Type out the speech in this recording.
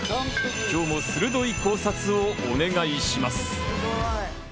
今日も鋭い考察をお願いします。